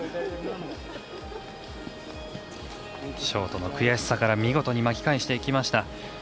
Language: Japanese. ショートの悔しさから見事に巻き返していきました。